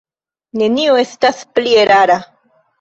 Nenio estas pli erara.